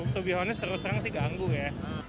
to be honest terus terang sih ganggu ya